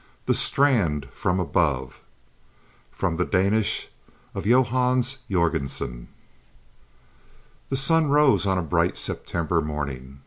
THE STRAND FROM ABOVE From the Danish of JOHANNES JÖRGENSEN The sun rose on a bright September morning.